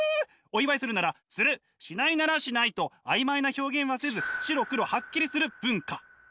お祝いするならするしないならしないと曖昧な表現はせず白黒ハッキリする文化。